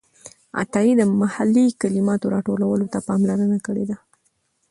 عطايي د محلي کلماتو راټولولو ته پاملرنه کړې ده.